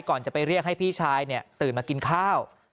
ก่อนจะไปเรียกให้พี่ชายตื่นมากินข้าว